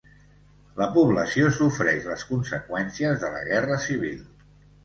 La població sofreix les conseqüències de la Guerra Civil.